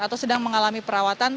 atau sedang mengalami perawatan